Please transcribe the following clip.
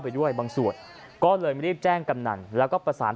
เป็นหมาพันธุ์ใช่ครับอะไรครับพันธุ์ขนกแก้วสมไทย